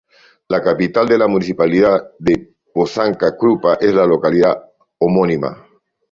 La capital de la municipalidad de Bosanska Krupa es la localidad homónima.